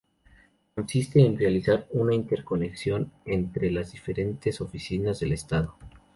Consiste en realizar una interconexión entre las diferentes oficinas del estado.